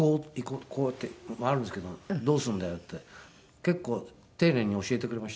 こうやって回るんですけどどうすんだよって結構丁寧に教えてくれましたよ。